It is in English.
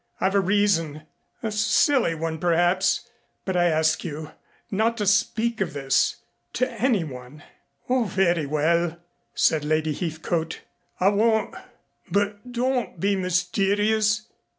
"I've a reason a silly one, perhaps, but I ask you not to speak of this to anyone." "Oh, very well," said Lady Heathcote, "I won't. But don't be mysterious.